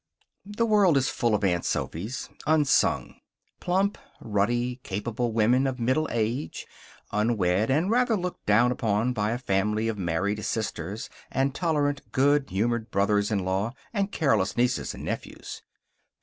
The world is full of Aunt Sophys, unsung. Plump, ruddy, capable women of middle age. Unwed, and rather looked down upon by a family of married sisters and tolerant, good humored brothers in law, and careless nieces and nephews.